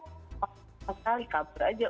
kok pas sekali kabur aja